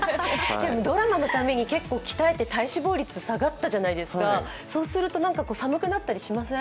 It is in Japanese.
ドラマのために結構鍛えて体脂肪率下がったじゃないですかそうすると寒くなったりしません？